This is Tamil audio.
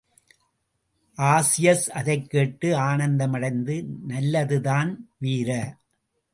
ஆஜியஸ் அதைக் கேட்டு ஆனந்தமடைந்து, நல்லதுதான், வீர!